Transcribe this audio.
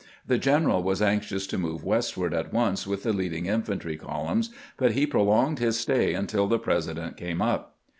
The general was anxious to move westward at once with the leading infantry col umns, but he prolonged his stay until the President came up.